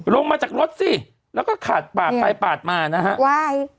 ลงมาจากรถสิแล้วก็ขาดปาดไปปาดมานะฮะวาย